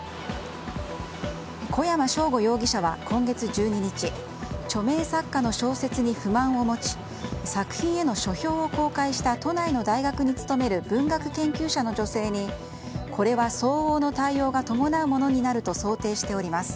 小山尚吾容疑者は今月１２日著名作家の小説に不満を持ち作品への書評を公開した都内の大学に勤める文学研究者の女性にこれは相応の対応が伴うものになると想定しております。